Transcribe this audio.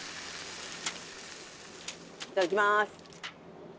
いただきます。